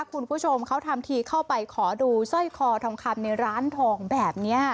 คุณผู้ชมเขาทำทีเข้าไปขอดูสร้อยคอทองคำในร้านทองแบบนี้